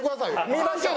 見ましょう。